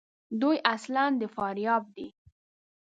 دوی اصلاُ د فاریاب دي.